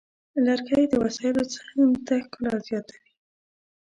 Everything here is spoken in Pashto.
لرګی د وسایلو څنګ ته ښکلا زیاتوي.